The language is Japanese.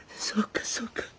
そうかそうか。